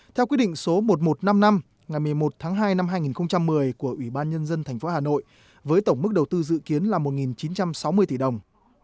theo quyết định số một nghìn một trăm năm mươi năm ngày một mươi một tháng hai năm hai nghìn một mươi của ủy ban nhân dân tp hà nội với tổng mức đầu tư dự kiến là một chín trăm sáu mươi tỷ đồng